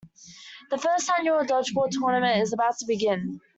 The First Annual Dodgeball Tournament is about to begin.